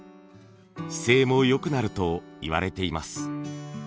姿勢も良くなるといわれています。